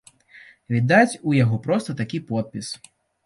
Відаць, у яго проста такі подпіс.